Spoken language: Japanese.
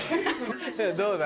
どうだ？